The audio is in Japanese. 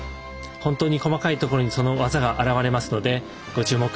本当に細かいところにその技があらわれますのでご注目下さい。